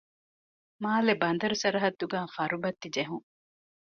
މާލެ ބަނދަރު ސަރަހައްދުގައި ފަރުބައްތި ޖެހުން